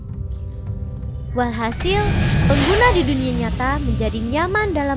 bee pun pergi menuju para qr code yang ada di dunia digital